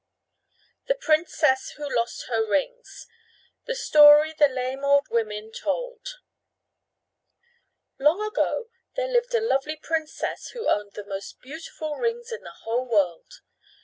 THE PRINCESS WHO LOST HER RINGS The Story the Lame Old Women Told Long ago there lived a lovely princess who owned the most beautiful rings in the whole world.